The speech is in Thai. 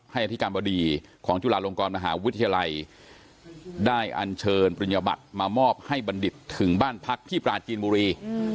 อธิการบดีของจุฬาลงกรมหาวิทยาลัยได้อันเชิญปริญญบัตรมามอบให้บัณฑิตถึงบ้านพักที่ปราจีนบุรี